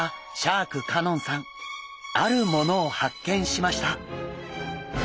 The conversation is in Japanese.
あるものを発見しました。